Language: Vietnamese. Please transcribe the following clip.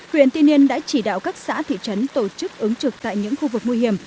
huyện tiên yên đã chỉ đạo các xã thị trấn tổ chức ứng trực tại những khu vực nguy hiểm